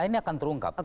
ini akan turunkap